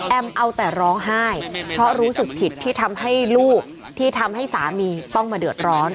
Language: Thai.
เอาแต่ร้องไห้เพราะรู้สึกผิดที่ทำให้ลูกที่ทำให้สามีต้องมาเดือดร้อน